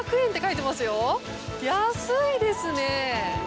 安いですねえ。